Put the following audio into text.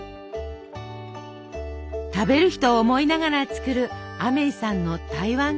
食べる人を思いながら作るアメイさんの台湾カステラ。